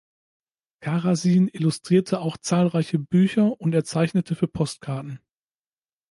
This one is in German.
Karasin illustrierte auch zahlreiche Bücher und er zeichnete für Postkarten.